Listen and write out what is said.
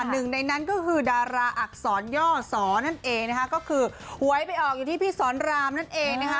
หนึ่งในนั้นก็คือดาราอักษรย่อสอนั่นเองนะคะก็คือหวยไปออกอยู่ที่พี่สอนรามนั่นเองนะคะ